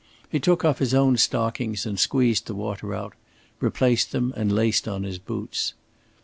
He took off his own stockings and squeezed the water out, replaced them, and laced on his boots.